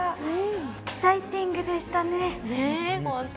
エキサイティングでしたね。